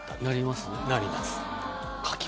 なります？